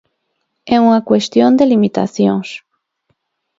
É unha cuestión de limitacións.